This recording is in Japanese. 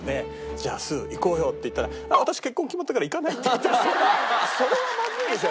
「じゃあすう行こうよ！」って言ったら「私結婚決まったから行かない」って言ったらそれはまずいでしょ。